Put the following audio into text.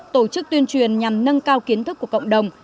tổ chức tuyên truyền nhằm nâng cao kiến thức của cộng đồng